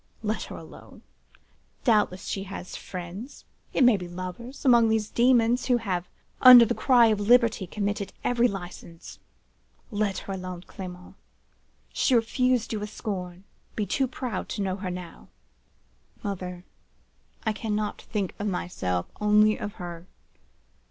Let her alone! Doubtless she has friends—it may be lovers—among these demons, who, under the cry of liberty, commit every licence. Let her alone, Clement! She refused you with scorn: be too proud to notice her now.' "'Mother, I cannot think of myself; only of her.